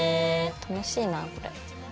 楽しいなこれ。